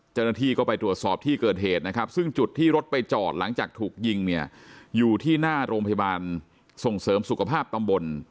เจ้าหน้าที่ก็ไปตรวจสอบที่เกิดเหตุนะครับซึ่งจุดที่รถไปจอดหลังจากถูกยิงเนี่ยอยู่ที่หน้าโรงพยาบาลส่งเสริมสุขภาพตำบล